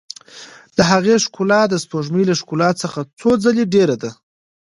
د هغې ښکلا د سپوږمۍ له ښکلا څخه څو ځلې ډېره ده.